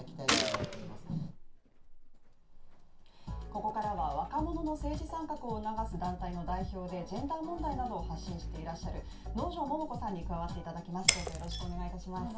ここからは若者の政治参画を促す団体の代表で、ジェンダー問題などを発信していらっしゃる能條桃子さんに加わっていただきます。